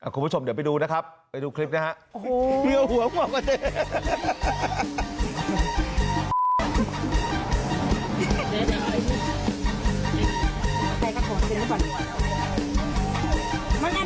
คุณผู้ชมเดี๋ยวไปดูนะครับไปดูคลิปนะครับ